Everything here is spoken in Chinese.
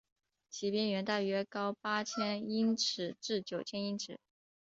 其边缘大约高八千英尺至九千英尺。